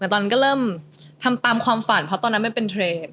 แต่ตอนนั้นก็เริ่มทำตามความฝันเพราะตอนนั้นมันเป็นเทรนด์